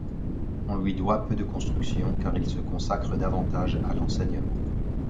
On lui doit peu de constructions, car il se consacre davantage à l’enseignement.